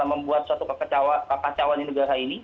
kalau membuat suatu kekecauan di negara ini